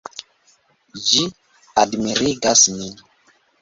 Ĝi admirigas min.